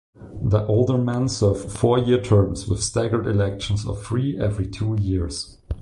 The aldermen serve four-year terms with staggered elections of three every two years.